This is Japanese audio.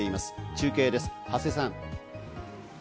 中継です、長谷さん。